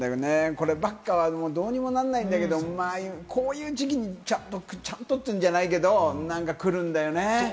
こればっかは、どうにもなんないんだけれども、こういう時期にちゃんとというんじゃないけれども、くるんだよね。